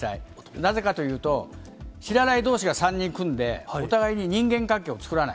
なぜかというと、知らないどうしが３人組んで、お互いに人間関係を作らない。